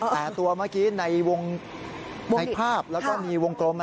แต่ตัวเมื่อกี้ในภาพแล้วก็มีวงกลม